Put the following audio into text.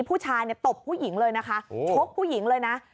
ผู้ชายเนี่ยตบผู้หญิงเลยนะคะชกผู้หญิงเลยนะ